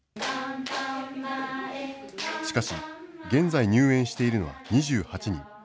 しかし、現在入園しているのは２８人。